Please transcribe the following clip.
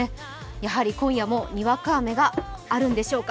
やはり今夜もにわか雨があるんでしょうか。